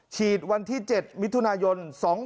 ฉีดวันที่๗มิถุนายน๒๕๖